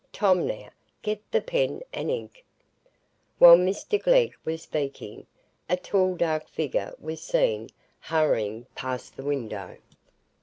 Tom, now, get the pen and ink——" While Mr Glegg was speaking, a tall dark figure was seen hurrying past the window.